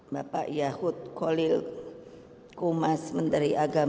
bapak yahud kolil kumasudin menteri luar negeri